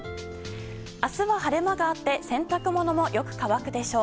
明日は晴れ間があって洗濯物もよく乾くでしょう。